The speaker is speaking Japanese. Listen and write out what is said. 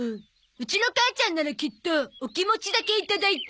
うちの母ちゃんならきっとお気持ちだけいただいて。